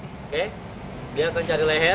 dia akan cari leher